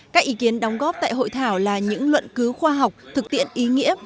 các ý kiến đóng góp tại hội thảo là những luận cứu khoa học thực tiện ý nghĩa